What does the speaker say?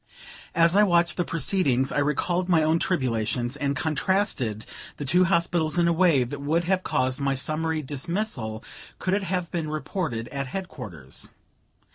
As I watched the proceedings, I recalled my own tribulations, and contrasted the two hospitals in a way that would have caused my summary dismissal, could it have been reported at headquarters.